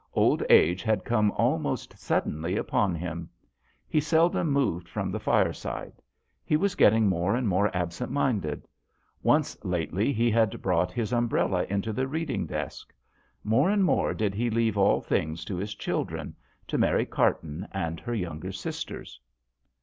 Old age had come almost suddenly upon him. He seldom moved from the fireside. He was getting more and more absent minded. Once lately he had brought his um brella into the reading desk. More and more did he leave all things to his children to Mary Carton and her younger sisters.